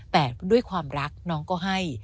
แต่ด้วยความรักน้องก็ให้